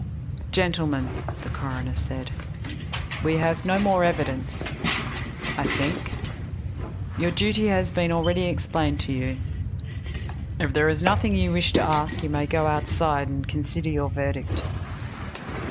"Gentlemen," the coroner said, "we have no more evidence, I think. Your duty has been already explained to you; if there is nothing you wish to ask you may go outside and consider your verdict."